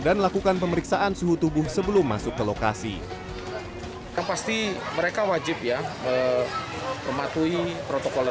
lakukan pemeriksaan suhu tubuh sebelum masuk ke lokasi yang pasti mereka wajib ya mematuhi protokol